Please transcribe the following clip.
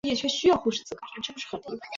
全世界其他地方的华人